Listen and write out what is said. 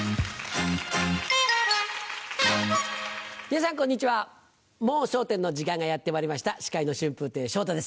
皆さんこんにちは『もう笑点』の時間がやってまいりました司会の春風亭昇太です。